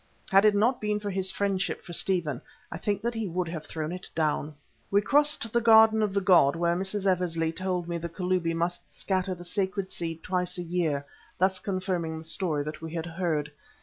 Had it not been for his friendship for Stephen I think that he would have thrown it down. We crossed the Garden of the god, where Mrs. Eversley told me the Kalubi must scatter the sacred seed twice a year, thus confirming the story that we had heard.